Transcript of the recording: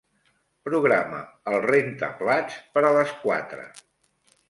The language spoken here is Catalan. Programa el rentaplats per a les quatre.